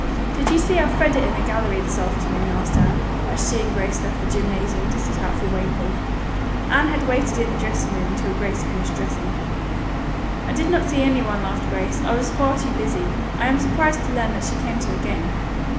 "Did you see Elfreda in the gallery this afternoon?" asked Anne, as she and Grace left the gymnasium and set out for Wayne Hall. Anne had waited in the dressing room until Grace finished dressing. "I did not see any one," laughed Grace. "I was far too busy. I am surprised to learn that she came to the game."